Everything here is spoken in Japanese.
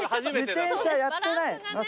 自転車やってない。